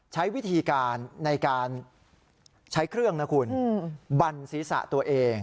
ใช้วิธีการในการใช้เครื่องนะคุณบันศีรษะตัวเอง